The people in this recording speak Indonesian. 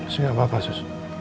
tak apa sus